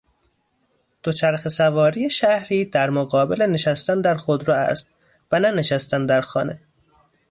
دوچرخه سواری شهری در مقابل نشستن در خودرو است و نه نشستن در خانه.